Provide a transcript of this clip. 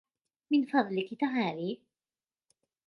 من فضلك تعالي.